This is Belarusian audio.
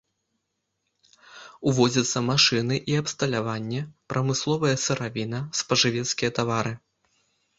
Увозяцца машыны і абсталяванне, прамысловая сыравіна, спажывецкія тавары.